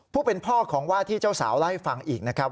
ผู้เป็นพ่อของว่าที่เจ้าสาวเล่าให้ฟังอีกนะครับ